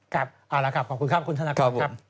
ครับเอาละครับขอบคุณครับคุณธนกรครับ